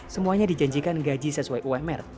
semuanya dijanjikan gaji sesuai umr